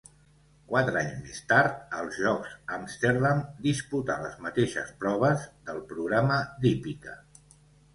Quatre anys més tard, als Jocs Amsterdam, disputà les mateixes proves del programa d'hípica.